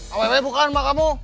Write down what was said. awewe bukan emak kamu